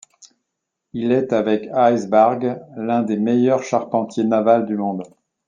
Il est, avec Icebarg, l'un des meilleurs charpentiers navals du monde.